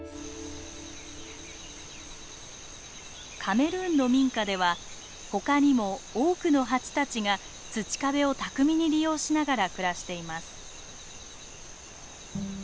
カメルーンの民家では他にも多くのハチたちが土壁を巧みに利用しながら暮らしています。